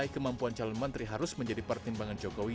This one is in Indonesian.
kemampuan calon menteri harus menjadi pertimbangan jokowi